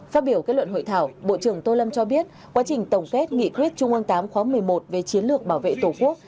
phát biểu kết luận hội thảo bộ trưởng tô lâm cho biết quá trình tổng kết nghị quyết trung ương viii khóa một mươi một về chiến lược bảo vệ tổ quốc